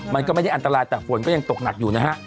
มันก็ไม่ได้อันตรายแต่ฝนก็ยังตกหนักอยู่นะฮะ